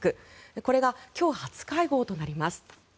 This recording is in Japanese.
これが今日、初会合となります。